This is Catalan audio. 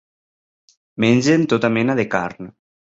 Mengen tota mena de carn.